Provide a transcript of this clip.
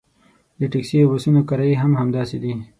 د ټکسي او بسونو کرایې هم همداسې دي.